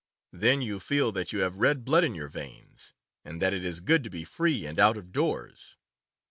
Then you feel that you have red blood in your veins, and that it is good to be free and out of doors.